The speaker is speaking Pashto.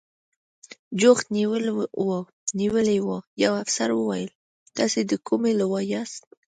جوخت نیولي و، یوه افسر وویل: تاسې د کومې لوا یاست؟